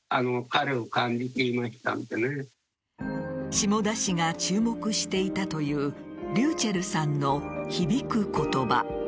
志茂田氏が注目していたというｒｙｕｃｈｅｌｌさんの響く言葉。